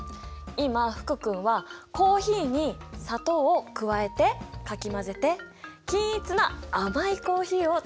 今福君はコーヒーに砂糖を加えてかき混ぜて均一な甘いコーヒーをつくったよね。